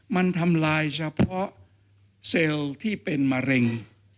มันทำลายเฉพาะเซลล์ที่เป็นมะเร็ง